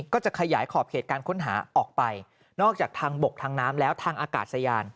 ก็จะขยายขอบเขตการค้นหาออกไปนอกจากทางบกทางน้ำแล้วทางอากาศยาน